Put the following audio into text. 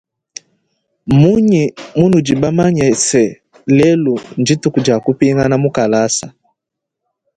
Mnunyi munudi bamanye se lelu ndituku dia kupingana mukalasa.